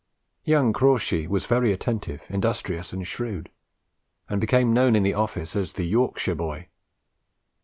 Young Crawshay was very attentive, industrious, and shrewd; and became known in the office as "The Yorkshire Boy."